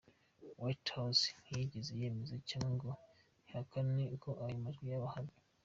White House ntiyigeze yemeza cyangwa ngo ihakane ko ayo majwi yaba ahari.